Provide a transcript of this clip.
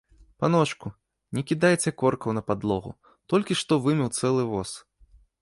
Паночку, не кідайце коркаў на падлогу, толькі што вымеў цэлы воз.